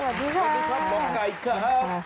สวัสดีค่ะหมอไก่ค่ะ